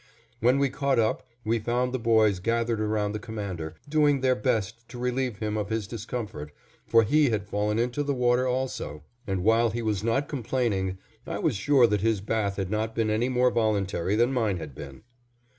When we caught up, we found the boys gathered around the Commander, doing their best to relieve him of his discomfort, for he had fallen into the water also, and while he was not complaining, I was sure that his bath had not been any more voluntary than mine had been.